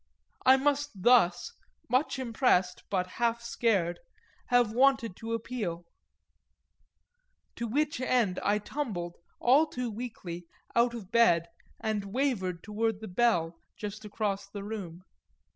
I must thus, much impressed but half scared, have wanted to appeal; to which end I tumbled, all too weakly, out of bed and wavered toward the bell just across the room.